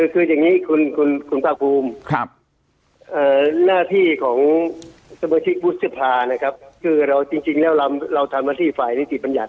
คืออย่างนี้คุณภาคภูมิหน้าที่ของสมาชิกวุฒิสภานะครับคือเราจริงแล้วเราทำหน้าที่ฝ่ายนิติบัญญัติ